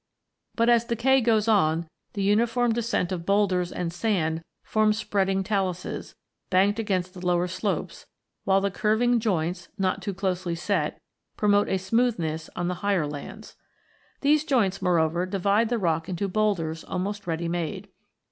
But, as decay .goes on, the uniform descent of boulders and sand forms spreading taluses, banked against the lower slopes, while the curving joints, not too closely set, promote a smoothness on the higher lands. These joints, mpreover, divide the rock into boulders almost ready made.